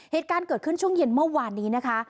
เหตุการณ์เกิดขึ้นช่วงเย็นเมื่อวานนี้นะคะ